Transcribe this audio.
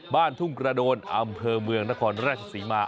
บ้านทุ่งกระโดนอำเภอเมืองนครราชศรีมา